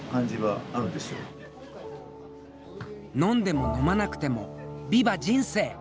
飲んでも飲まなくてもビバ人生！